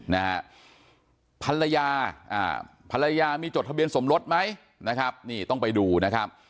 นะฮะภรรยาอ่าภรรยามีจดทะเบียนสมรสไหมนะครับนี่ต้องไปดูนะครับ